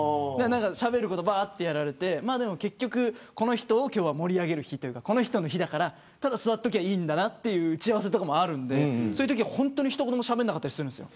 しゃべること、ばーっとやられてでも結局、この人を盛り上げる日というか、この人の日だからただ座っておけばいいんだなという打ち合わせもあるのでそういうとき、本当に一言もしゃべらなかったりするんです。